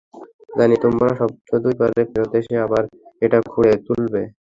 জানি, তোমরা সপ্তাহ দুই পরে ফেরত এসে আবার এটা খুঁড়ে তুলবে।